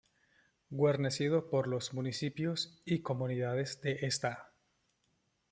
Guarnecido por los municipios y comunidades de Sta.